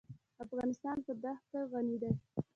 افغانستان په دښتې غني دی.